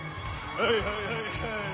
はいはいはいはい。